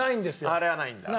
あれはないんだ。